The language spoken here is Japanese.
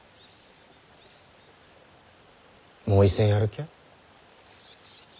もう一戦やるきゃ？